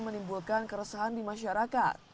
menimbulkan keresahan di masyarakat